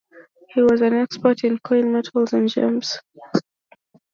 He was an expert in coins, metals and gems.